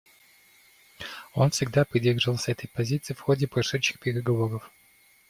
Он всегда придерживался этой позиции в ходе прошедших переговоров.